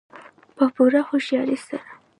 په پوره هوښیارۍ سره.